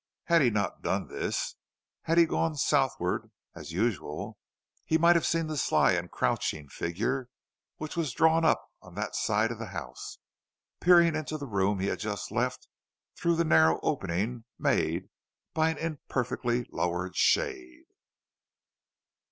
Had he not done this; had he gone southward, as usual, he might have seen the sly and crouching figure which was drawn up on that side of the house, peering into the room he had just left through the narrow opening made by an imperfectly lowered shade.